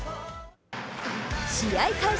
試合開始